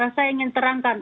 saya ingin terangkan